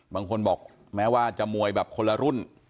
บางคนบอกแม้ว่าจะมวยแบบคนละรุ่น